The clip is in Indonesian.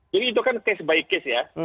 jadi itu kan case by case ya